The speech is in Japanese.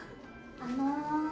あの。